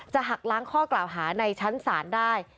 หักล้างข้อกล่าวหาในชั้นศาลได้